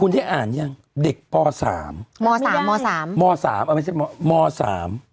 คุณได้อ่านยังเด็กปสามมสามมสามมสามเอาไม่ใช่มอมสาม